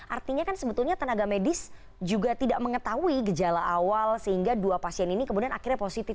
artinya kan sebetulnya tenaga medis juga tidak mengetahui gejala awal sehingga dua pasien ini kemudian akhirnya positif